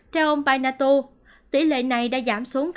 theo ông pianato tỷ lệ này đã giảm xuống